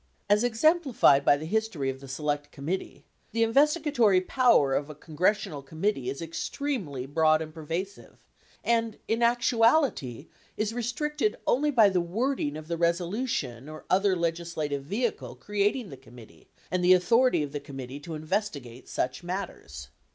As exemplified by the history of the Select Committee, the investi gatory power of a congressional committee is extremely broad and pervasive, and, in actuality, is restricted only by the wording of the resolution or other legislative vehicle creating the committee and the authority of the committee to investigate such matters.